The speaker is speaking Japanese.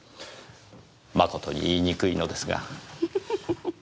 まことに言いにくいのですが。